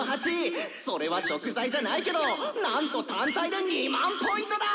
それは食材じゃないけどなんと単体で２００００Ｐだ！